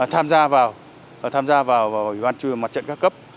tham gia vào tham gia vào ủy ban mặt trận các cấp